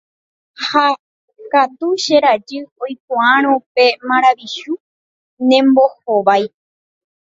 Ha katu che rajy oikuaárõ pe maravichu ñembohovái.